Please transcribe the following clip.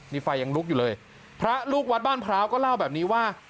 นี่ไฟยังลุกอยู่เลยพระลูกวัดบ้านพร้าวก็เล่าแบบนี้ว่า